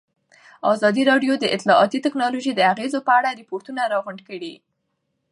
ازادي راډیو د اطلاعاتی تکنالوژي د اغېزو په اړه ریپوټونه راغونډ کړي.